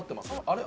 あれ？